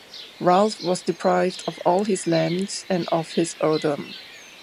Ralph was deprived of all his lands and of his Earldom.